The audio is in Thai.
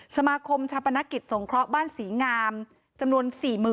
สมาคมชาปนกิจสงเคราะห์บ้านศรีงามจำนวน๔๐๐๐